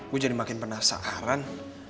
gue jadi makin penasaran